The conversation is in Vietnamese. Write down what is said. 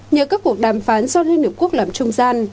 nhờ các cuộc đàm phán do liên hợp quốc làm trung gian